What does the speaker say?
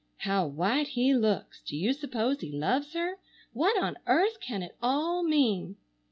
How white he looks! Do you suppose he loves her? What on earth can it all mean?